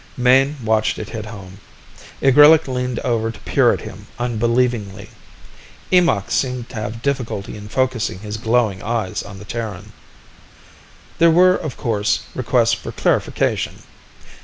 Mayne watched it hit home. Igrillik leaned over to peer at him unbelievingly. Eemakh seemed to have difficulty in focusing his glowing eyes on the Terran. There were, of course, requests for clarification.